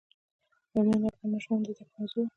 بامیان د افغان ماشومانو د زده کړې موضوع ده.